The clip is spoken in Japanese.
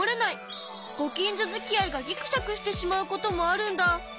ご近所づきあいがぎくしゃくしてしまうこともあるんだ。